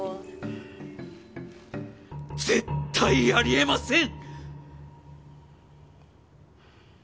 絶対あり得ません！